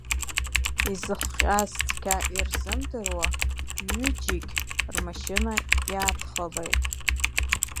Изыхҟьаз цқьа ирзымдыруа, рҩыџьегь рмашьына иаадхалеит.